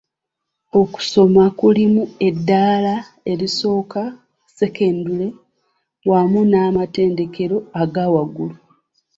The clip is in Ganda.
"Okusoma kulimu eddaala erisooka, ssekendule wamu n’amatendekero agaawaggulu."